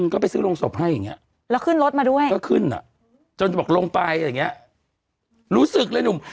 ก็ไปซื้อโรงศพให้อย่างนี้อ่ะจนจะบอกลงไปอย่างนี้รู้สึกเลยหนุ่ม